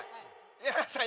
稲田さん